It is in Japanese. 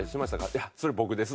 「いやそれ僕です」